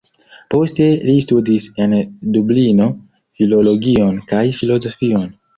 Poste li studis en Dublino filologion kaj filozofion.